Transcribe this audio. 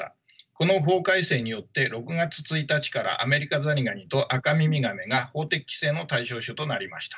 この法改正によって６月１日からアメリカザリガニとアカミミガメが法的規制の対象種となりました。